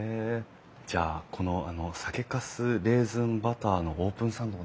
じゃあこの酒かすレーズンバターのオープンサンド